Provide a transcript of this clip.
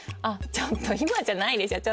ちょっと今じゃないでしょ